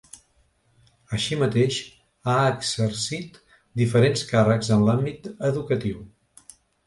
Així mateix, ha exercit diferents càrrecs en l’àmbit educatiu.